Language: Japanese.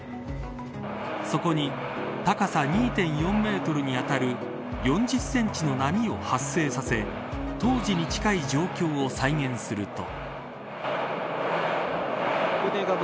そこに高さ２．４メートルにあたる４０センチの波を発生させ当時に近い状況を再現すると。